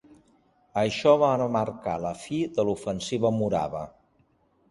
Això va marcar la fi de l'ofensiva Morava.